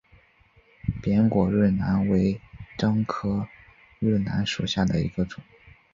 扁果润楠为樟科润楠属下的一个种。